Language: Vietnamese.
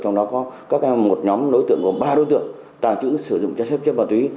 trong đó có một nhóm đối tượng gồm ba đối tượng tàng trữ sử dụng trái phép chất ma túy